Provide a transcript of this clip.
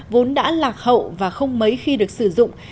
vốn đã lạc hậu và không mấy khi được sử dụng